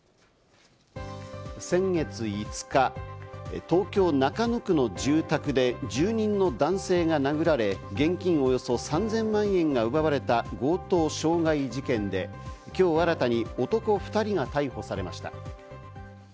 先月５日、東京・中野区の住宅で住人の男性が殴られ、現金およそ３０００万円が奪われた強盗傷害事件で、今日新たに男２人が逮捕されました。